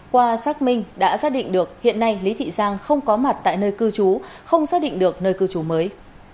qua xác minh đã xác định được hiện nay lý thị giang không có mặt tại nơi cư trú không xác định được nơi cư trú mới